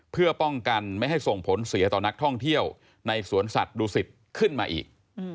เพื่อป้องกันไม่ให้ส่งผลเสียต่อนักท่องเที่ยวในสวนสัตว์ดูสิตขึ้นมาอีก